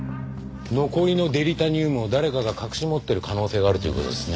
残りのデリタニウムを誰かが隠し持ってる可能性があるという事ですね。